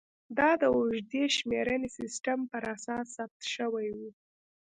دا د اوږدې شمېرنې سیستم پر اساس ثبت شوې وې